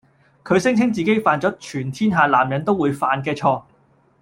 佢聲稱自己犯咗全天下男人都會犯嘅錯